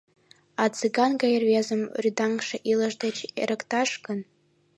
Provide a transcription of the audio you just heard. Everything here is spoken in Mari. А Цыган гай рвезым рӱдаҥше илыш деч эрыкташ гын?